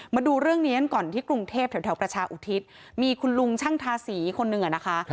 มาดูเรื่องนี้กันก่อนที่กรุงเทพแถวประชาอุทิศมีคุณลุงช่างทาสีคนหนึ่งอะนะคะ